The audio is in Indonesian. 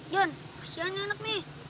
jon kesian anak nih